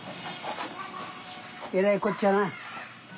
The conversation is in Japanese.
えらいこっちゃな。